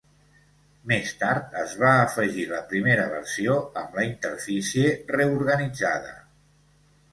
Més tard es va afegir la primera versió amb la interfície reorganitzada.